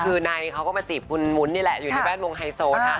คือนายเขาก็มาจีบคุณวุ้นนี่แหละอยู่ในแวดวงไฮโซค่ะ